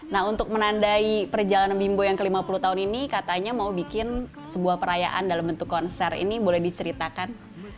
nah untuk menandai perjalanan bimbo yang ke lima puluh tahun ini katanya mau bikin sebuah perayaan dalam bentuk konser ini boleh diceritakan